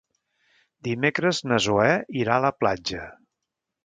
Dimecres na Zoè irà a la platja.